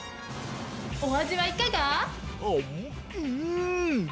お味はいかが？